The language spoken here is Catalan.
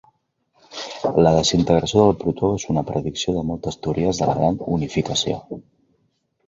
La desintegració del protó és una predicció de moltes teories de la gran unificació.